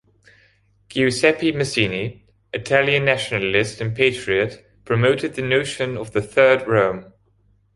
Giuseppe Mazzini, Italian nationalist and patriot promoted the notion of the "Third Rome".